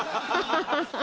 ハハハハ。